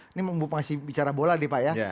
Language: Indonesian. ini masih bicara bola nih pak ya